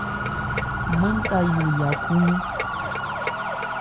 Manta yo ya khúmɛ́n.